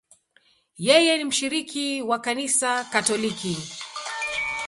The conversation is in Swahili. Yeye ni mshiriki wa Kanisa Katoliki.